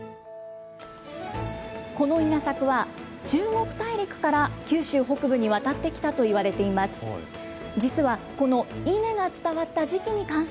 この稲作は、中国大陸から九州北部に渡ってきたといわれています。